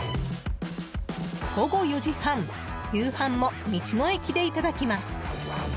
午後４時半夕飯も道の駅でいただきます。